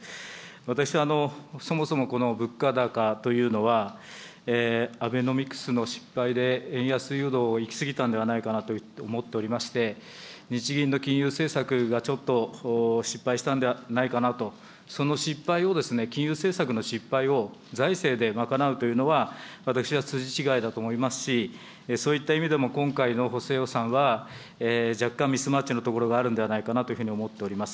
私はそもそもこの物価高というのは、アベノミクスの失敗で円安誘導を行き過ぎたんではないかなと思っておりまして、日銀の金融政策がちょっと失敗したんではないかなと、その失敗を、金融政策の失敗を、財政で賄うというのは、私は筋違いだと思いますし、そういった意味でも今回の補正予算は若干ミスマッチのところがあるんではないかなというふうに思っております。